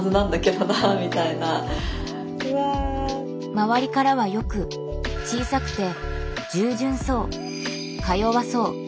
周りからはよく小さくて「従順そう」「か弱そう」